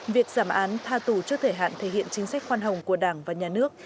việc giảm án tha tù trước thời hạn thể hiện chính sách khoan hồng của đảng và nhà nước